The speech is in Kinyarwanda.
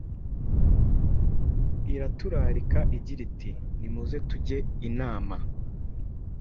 Iraturarika igira iti: Nimuze tujye inama.